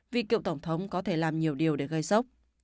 vì cựu tổng thống có thể làm nhiều điều để gây sốc